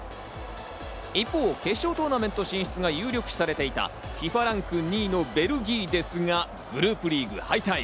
一方、決勝トーナメント進出が有力視されていたＦＩＦＡランク２位のベルギーですが、グループリーグ敗退。